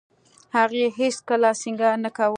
هغې هېڅ کله سينګار نه کاوه.